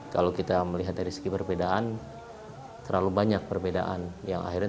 kalau kita melihat dari segi perbedaan terlalu banyak perbedaan